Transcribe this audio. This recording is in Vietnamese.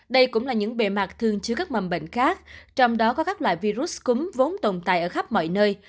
đây cũng là những bề mặt thường chứa các mầm bệnh khác trong đó có các loại virus cúm vốn tồn tại ở khắp mọi nơi